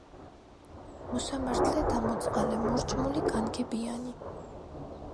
მოსამართლე და მოწყალე, მორჭმული, განგებიანი